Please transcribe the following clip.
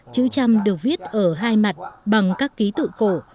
chữ trăm được viết ở hai mặt bằng các ký tự cổ